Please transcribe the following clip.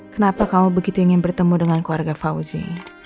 kenapa kamu begitu ingin bertemu dengan keluarga fauzi